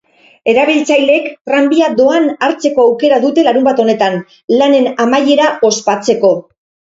Erabiltzaileek tranbia doan hartzeko aukera dute larunbat honetan, lanen amaiera ospatzeko.